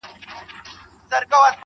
ما به له زړه درته ټپې په زړه کي وويلې_